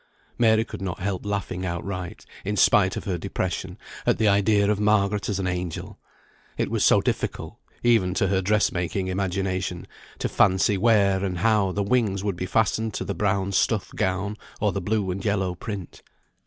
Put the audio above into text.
Mary could not help laughing outright, in spite of her depression, at the idea of Margaret as an angel; it was so difficult (even to her dress making imagination) to fancy where, and how, the wings would be fastened to the brown stuff gown, or the blue and yellow print.